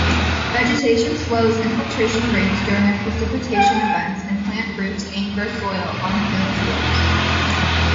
Vegetation slows infiltration rates during precipitation events and plant roots anchor soil on hillslopes.